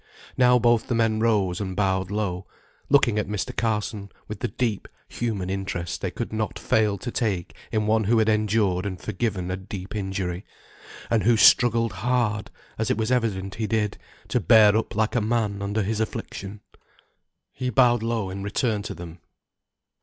Now both the men rose and bowed low, looking at Mr. Carson with the deep human interest they could not fail to take in one who had endured and forgiven a deep injury; and who struggled hard, as it was evident he did, to bear up like a man under his affliction. He bowed low in return to them.